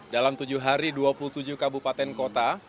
dalam tujuh hari dua puluh tujuh kabupaten kota